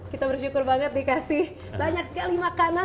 kita bersyukur banget dikasih banyak sekali makanan